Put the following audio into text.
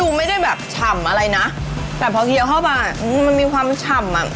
ไม่ได้แบบฉ่ำอะไรนะแต่พอเคี้ยวเข้ามามันมีความฉ่ำอ่ะ